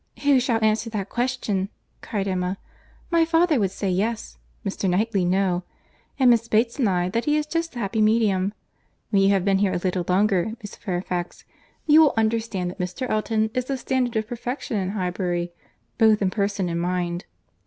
"Who shall answer that question?" cried Emma. "My father would say 'yes,' Mr. Knightley 'no;' and Miss Bates and I that he is just the happy medium. When you have been here a little longer, Miss Fairfax, you will understand that Mr. Elton is the standard of perfection in Highbury, both in person and mind."